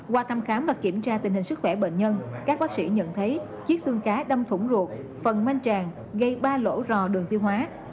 qua thăm khám và kiểm tra tình hình sức khỏe bệnh nhân các bác sĩ nhận thấy chiếc xương cá đâm thủng ruột phần manh tràng gây ba lỗ rò đường tiêu hóa